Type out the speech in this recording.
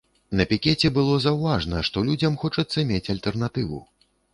На пікеце было заўважна, што людзям хочацца мець альтэрнатыву.